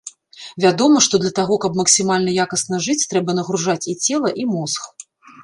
Вядома, што для таго, каб максімальна якасна жыць, трэба нагружаць і цела, і мозг.